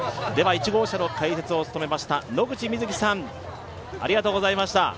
１号車の解説を務めました野口みずきさんありがとうございました。